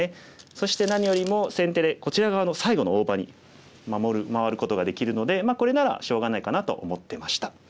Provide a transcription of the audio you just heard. そして何よりも先手でこちら側の最後の大場に回ることができるのでこれならしょうがないかなと思ってました。